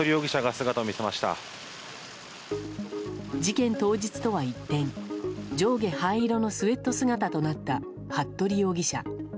事件当日とは一転上下灰色のスウェット姿となった服部容疑者。